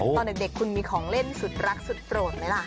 ตอนเด็กคุณมีของเล่นสุดรักสุดโปรดไหมล่ะ